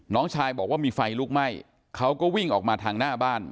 น้องชายบอกว่ามีไฟลุกไหม้เขาก็วิ่งออกมาทางหน้าบ้าน